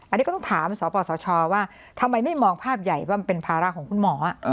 อันนี้ก็ต้องถามสปสชว่าทำไมไม่มองภาพใหญ่ว่ามันเป็นภาระของคุณหมอ